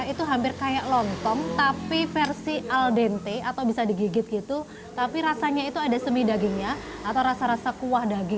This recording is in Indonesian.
itu hampir kayak lontong tapi versi aldente atau bisa digigit gitu tapi rasanya itu ada semi dagingnya atau rasa rasa kuah daging